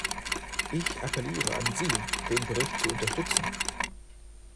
Ich appelliere an Sie, den Bericht zu unterstützen!